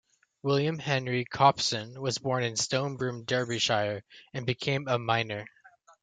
William Henry Copson was born in Stonebroom, Derbyshire, and became a miner.